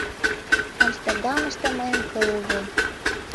Амстердамыште мыйын кыл уло.